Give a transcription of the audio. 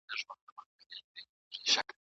ارزښت ماشوم یوازې کېدو نه ژغوري.